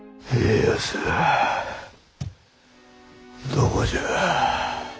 どこじゃ。